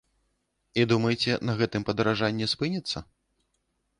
І думаеце, на гэтым падаражанне спыніцца?